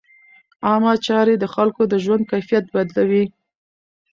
عامه چارې د خلکو د ژوند کیفیت بدلوي.